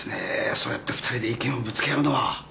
そうやって２人で意見をぶつけ合うのは。